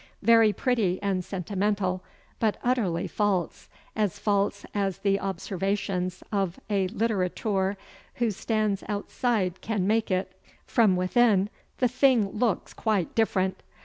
Very pretty and sentimental; but utterly false, as false as the observations of a littérateur who stands outside can make it. From within the thing looks quite different!